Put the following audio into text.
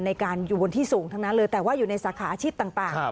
ในการอยู่บนที่สูงทั้งนั้นเลยแต่ว่าอยู่ในสาขาอาชีพต่าง